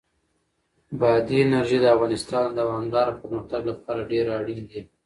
بادي انرژي د افغانستان د دوامداره پرمختګ لپاره ډېر اړین دي.